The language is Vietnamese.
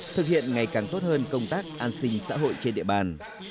thực hiện ngày càng tốt hơn công tác an sinh xã hội trên địa bàn